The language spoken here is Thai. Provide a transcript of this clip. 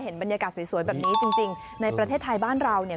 บรรยากาศสวยแบบนี้จริงในประเทศไทยบ้านเราเนี่ย